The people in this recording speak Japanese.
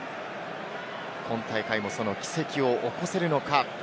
今大会もその奇跡を起こせるのか。